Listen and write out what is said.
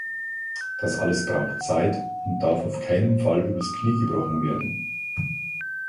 Das alles braucht Zeit und darf auf keinen Fall übers Knie gebrochen werden.